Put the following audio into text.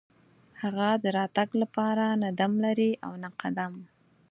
هغه د راتګ لپاره نه دم لري او نه قدم.